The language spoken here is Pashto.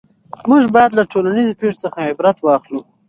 موږ باید له ټولنیزو پېښو څخه عبرت واخلو.